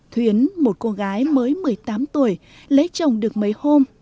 thuyến một cô gái mới một mươi tám tuổi lấy chồng được mấy hôm